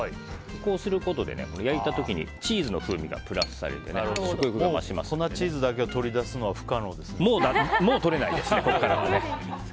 こうすることで焼いた時にチーズの風味がプラスされてもう粉チーズを取り出すのはもう取れないですね。